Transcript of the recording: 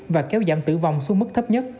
và kéo giảm tử vong xuống mức thấp nhất